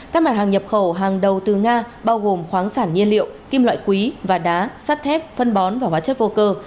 các mặt hàng nhập khẩu hàng đầu từ nga bao gồm khoáng sản nhiên liệu kim loại quý và đá sắt thép phân bón và hóa chất vô cơ